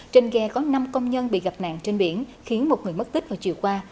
trên ghe có năm công nhân bị gặp nạn trên biển khiến một người mất tích vào chiều qua